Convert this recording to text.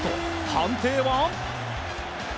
判定は。